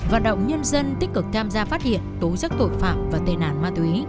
vận động nhân dân tích cực tham gia phát hiện tố giấc tội phạm và tên ản ma túy